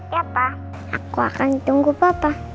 iya pa aku akan tunggu papa